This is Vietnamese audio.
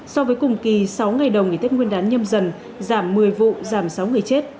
so với cùng kỳ sáu ngày đầu nghỉ tết nguyên đán nhâm dần giảm một mươi vụ giảm sáu người chết